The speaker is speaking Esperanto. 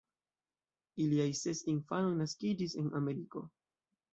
Iliaj ses infanoj naskiĝis en Ameriko.